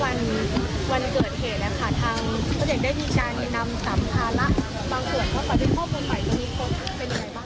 บางส่วนเขาตัดได้ข้อมูลใหม่ตรงนี้เป็นยังไงบ้าง